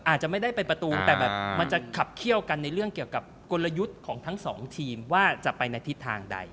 อาจจะไม่ได้ไปประตูแต่แบบมันจะขับเคี่ยวกันในเรื่องเกี่ยวกับกลยุทธ์ของทั้งสองทีมว่าจะไปในทิศทางใด